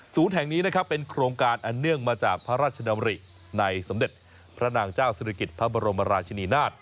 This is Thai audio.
แห่งนี้นะครับเป็นโครงการอันเนื่องมาจากพระราชดำริในสมเด็จพระนางเจ้าศิริกิจพระบรมราชินีนาฏ